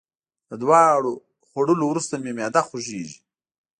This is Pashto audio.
د دوا خوړولو وروسته مي معده خوږیږي.